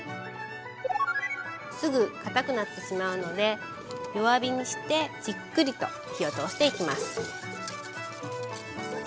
すぐかたくなってしまうので弱火にしてじっくりと火を通していきます。